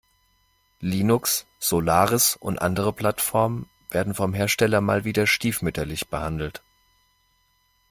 Linux, Solaris und andere Plattformen werden vom Hersteller mal wieder stiefmütterlich behandelt.